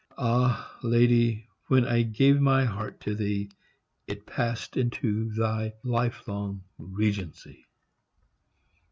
Ah, lady, when I gave my heart to thee, It passed into thy lifelong regency.